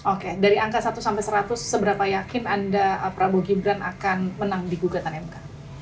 oke dari angka satu sampai seratus seberapa yakin anda prabowo gibran akan menang di gugatan mk